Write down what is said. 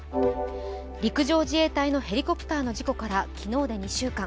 陸上自衛隊のヘリコプターの事故から昨日で２週間。